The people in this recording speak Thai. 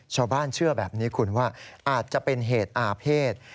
เชื่อแบบนี้คุณว่าอาจจะเป็นเหตุอาเภษ